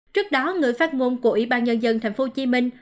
trước đó người phát ngôn của ủy ban nhân dân thành phố hồ chí minh